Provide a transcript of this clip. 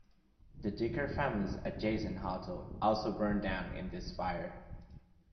The Dicker family's adjacent hotel also burned down in this fire.